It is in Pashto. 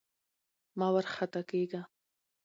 مه وارخطا کېږه!